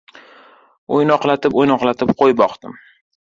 O‘ynoqlatib-o‘ynoqlatib qo‘y boqdim.